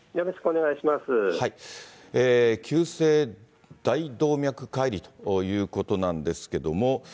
急性大動脈解離ということなんですけれども、